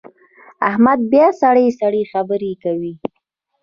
احمد بیا سړې سړې خبرې کوي.